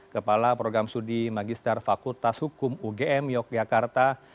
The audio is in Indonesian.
kepala program sudi magister fakultas hukum ugm yogyakarta